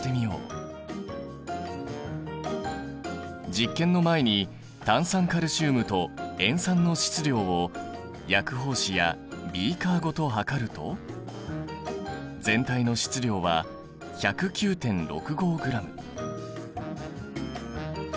実験の前に炭酸カルシウムと塩酸の質量を薬包紙やビーカーごと量ると全体の質量は１０９．６５ｇ。